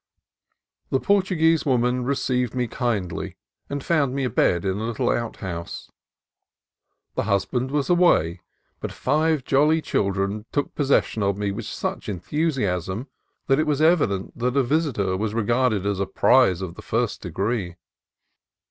The Portuguese woman received me kindly and found me a bed in a little outhouse. The husband was away, but five jolly children took possession of me with such enthusiasm that it was evident that a visi tor was regarded as a prize of the first degree.